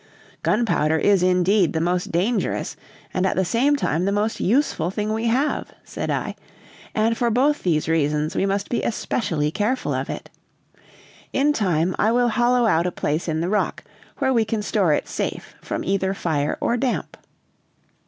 "Gunpowder is indeed the most dangerous and at the same time the most useful thing we have," said I, "and for both these reasons we must be especially careful of it. In time I will hollow out a place in the rock where we can store it safe from either fire or damp."